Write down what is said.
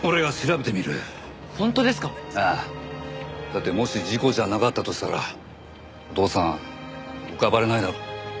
だってもし事故じゃなかったとしたらお父さん浮かばれないだろ。